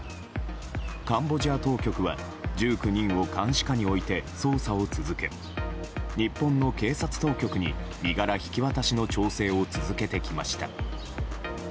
カンボジア当局は、１９人を監視下に置いて捜査を続け日本の警察当局に身柄引き渡しの調整を続けてきました。